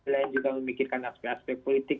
dan juga memikirkan aspek aspek politik